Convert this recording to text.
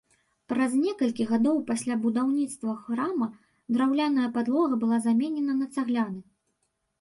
Праз некалькі гадоў пасля будаўніцтва храма драўляная падлога была заменена на цагляны.